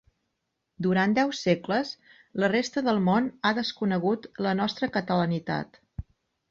Durant deu segles, la resta del món ha desconegut la nostra catalanitat.